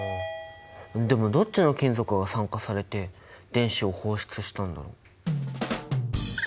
でもどっちの金属が酸化されて電子を放出したんだろう？